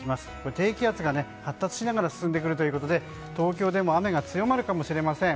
低気圧が発達しながら煤で来るということで東京でも雨が強まるかもしれません。